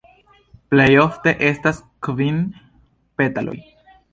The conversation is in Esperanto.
Plej ofte estas kvin petaloj.